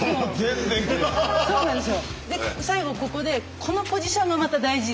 で最後ここでこのポジションがまた大事で。